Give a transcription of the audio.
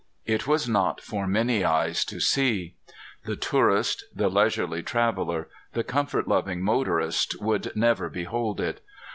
It was not for many eyes to see. The tourist, the leisurely traveler, the comfort loving motorist would never behold it.